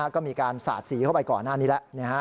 ก็มีการสาดสีเข้าไปก่อนนี่ล่ะ